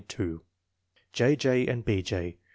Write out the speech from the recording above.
22. J. J. and B. J.